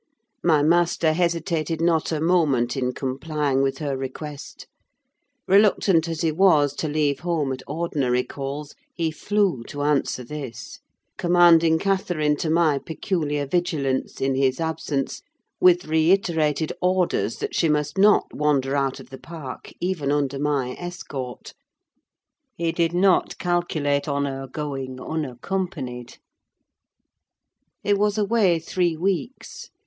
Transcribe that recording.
My master hesitated not a moment in complying with her request: reluctant as he was to leave home at ordinary calls, he flew to answer this; commending Catherine to my peculiar vigilance, in his absence, with reiterated orders that she must not wander out of the park, even under my escort: he did not calculate on her going unaccompanied. He was away three weeks.